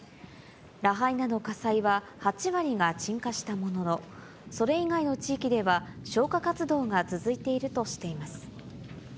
ラハイナの火災は、８割が鎮火したものの、それ以外の地域では、消火活動が続いているとしています。